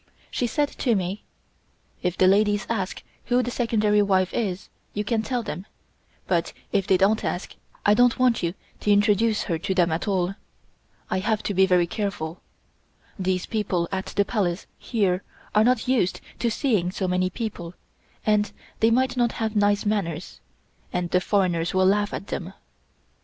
She said to me: "If the ladies ask who the Secondary wife is, you can tell them; but if they don't ask, I don't want you to introduce her to them at all. I have to be very careful. These people at the Palace here are not used to seeing so many people and they might not have nice manners, and the foreigners will laugh at them."